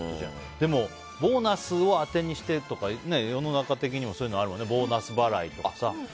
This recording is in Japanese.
でも、ボーナスを当てにして世の中的にもそういうのあるよねボーナス払いとかさ。